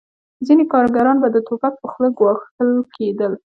ځینې کارګران به د ټوپک په خوله ګواښل کېدل